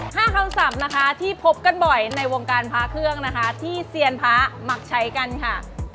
คำศัพท์นะคะที่พบกันบ่อยในวงการพระเครื่องนะคะที่เซียนพระมักใช้กันค่ะ